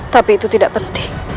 tapi itu tidak penting